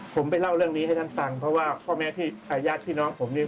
ผมไปเล่าเรื่องนี้ให้ท่านฟังเพราะว่าพ่อแม่ที่อาญาติพี่น้องผมเนี่ย